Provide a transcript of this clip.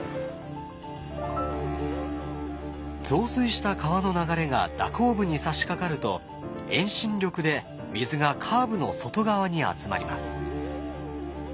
増水した川の流れが蛇行部にさしかかると遠心力で水がカーブの外側に集まります。